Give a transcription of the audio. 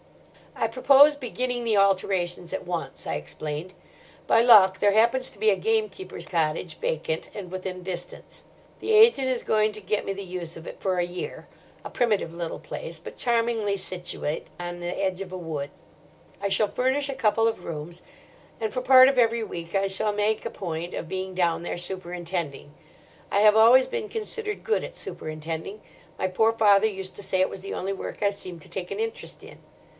"I propose beginning the alterations at once," I explained. "By luck there happens to be a gamekeeper's cottage vacant and within distance. The agent is going to get me the use of it for a year—a primitive little place, but charmingly situate on the edge of a wood. I shall furnish a couple of rooms; and for part of every week I shall make a point of being down there, superintending. I have always been considered good at superintending. My poor father used to say it was the only work I seemed to take an interest in.